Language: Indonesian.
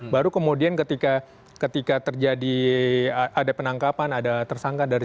baru kemudian ketika terjadi ada penangkapan ada tersangka dari